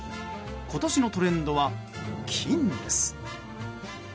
今年のトレンドは金です。